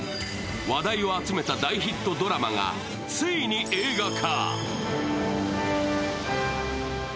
話題を集めた大ヒットドラマがついに映画化。